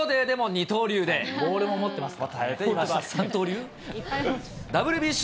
ボールも持ってますね。